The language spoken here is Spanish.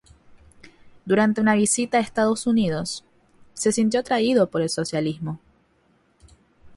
Durante una visita a Estados Unidos, se sintió atraído por el socialismo.